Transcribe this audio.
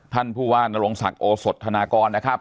ท่านผู้ว่านรงศักดิ์โอสดธนากรนะครับ